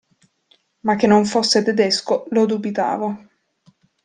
Ma che non fosse tedesco lo dubitavo.